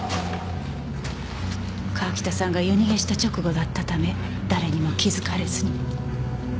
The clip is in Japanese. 川喜多さんが夜逃げした直後だったため誰にも気づかれずに。